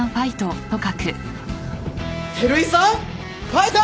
照井さんファイト！